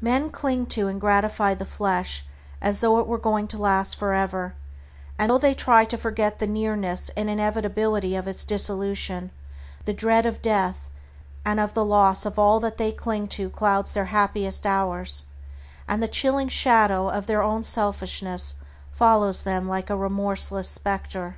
Men cling to and gratify the flesh as though it were going to last for ever, and though they try to forget the nearness and inevitability of its dissolution, the dread of death and of the loss of all that they cling to clouds their happiest hours, and the chilling shadow of their own selfishness follows them like a remorseless specter.